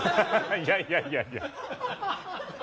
いやいやいやいや。